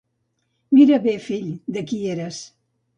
Mira bé, fill, de qui eres.